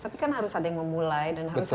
tapi kan harus ada yang memulai